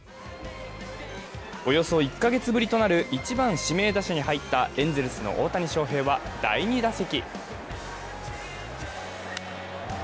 およそ１か月ぶりとなる１番・指名打者に入ったエンゼルスの大谷翔平は第２打席。